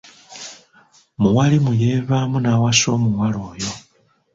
Muwalimu yeevaamu n’awasa omuwala oyo.